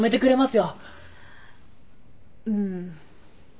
うん。